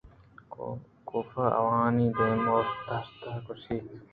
کافءَ آوانی دیم داشت ءُگوٛشت کہ